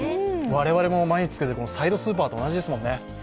我々も毎日つけているサイドスーパーと同じですもんね。